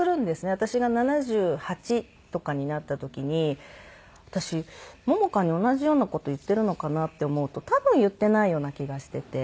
私が７８とかになった時に私百々果に同じような事言っているのかな？って思うと多分言っていないような気がしていて。